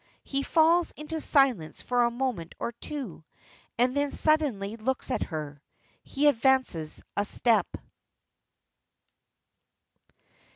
He falls into silence for a moment or two, and then suddenly looks at her. He advances a step.